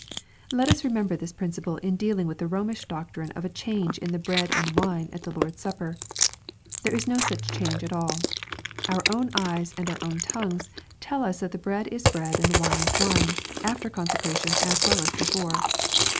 Let us remember this principle in dealing with the Bomish doctrine of a change in the bread and wine at the Lord's Supper. There is no such change at all. Our own eyes and our own tongues tell us that the bread is bread and the wine is wine, after consecration as well as before.